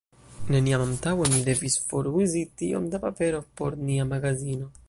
Neniam antaŭe mi devis foruzi tiom da papero por nia magazino.